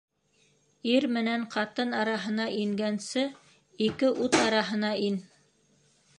Ир менән ҡатын араһына ингәнсе, ике ут араһына ин.